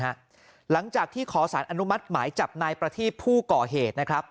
หลังจากที่ขอสารอนุมัติหมายจับนายประทีบผู้ก่อเหตุนะครับ